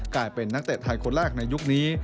กลายเป็นนักเตะไทยคนแรกในยุคนี้